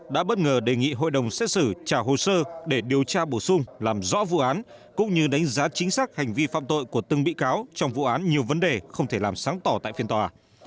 đã bất ngờ đề nghị hội đồng xét xử trả hồ sơ để điều tra bổ sung làm rõ vụ án cũng như đánh giá chính xác hành vi phạm tội của từng bị cáo trong vụ án nhiều vấn đề không thể làm sáng tỏ tại phiên tòa